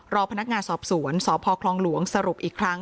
รอพนักงานสอบสวนสพคลองหลวงสรุปอีกครั้ง